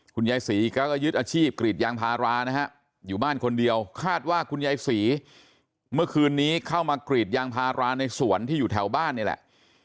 คุณยายศรีก็ยึดอาชีพกรีดยางพารานะฮะอยู่บ้านคนเดียวคาดว่าคุณยายศรีเมื่อคืนนี้เข้ามากรีดยางพาราในสวนที่อยู่แถวบ้านนี่แหละ